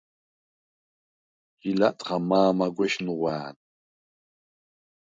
ჟი ლა̈ტხა მა̄მაგვეშ ნუღვა̄̈ნ.